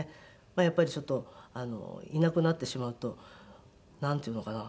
まあやっぱりちょっといなくなってしまうとなんていうのかな